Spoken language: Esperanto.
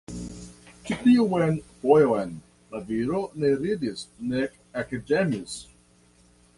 Ĉi tiun fojon la viro ne ridis nek ekĝemis.